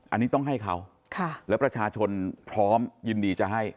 อันนี้ต้องให้เขาแล้วประชาชนพร้อมยินดีจะให้